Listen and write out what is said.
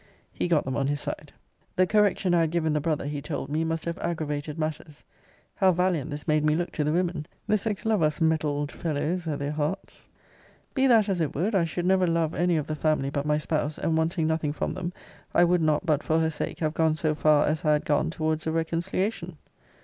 He got them on his side. The correction I had given the brother, he told me, must have aggravated matters. How valiant this made me look to the women! The sex love us mettled fellows at their hearts. Be that as it would, I should never love any of the family but my spouse; and wanting nothing from them, I would not, but for her sake, have gone so far as I had gone towards a reconciliation.